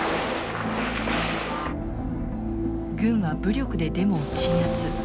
軍は武力でデモを鎮圧。